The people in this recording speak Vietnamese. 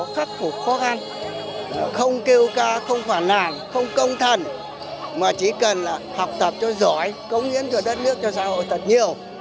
khắc phục khó khăn không kêu ca không phản nàn không công thần mà chỉ cần là học tập cho giỏi công hiến cho đất nước cho xã hội thật nhiều